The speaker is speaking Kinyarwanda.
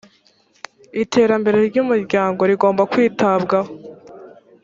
iterambere ry ‘ umuryango rigomba kwitabwaho.